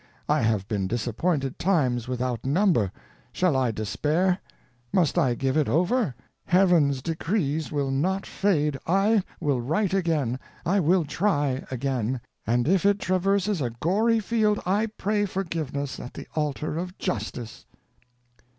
I have been disappointed times without number. Shall I despair? must I give it over? Heaven's decrees will not fade; I will write again I will try again; and if it traverses a gory field, I pray forgiveness at the altar of justice."